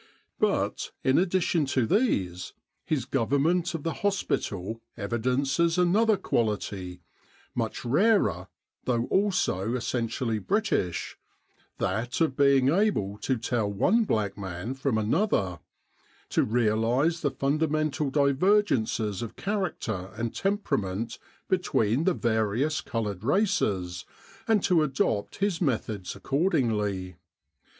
But, in addition to these, his government of the hospital evidences another quality, much rarer though also essentially British that of being able to tell one black man from another, to realise the funda mental divergences of character and temperament be tween the various coloured races, and to adopt his methods accordingly.